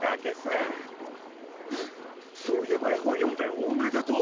あっそういえば絵本読んだよおめでとう。